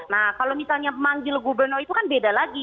nah kalau misalnya manggil gubernur itu kan beda lagi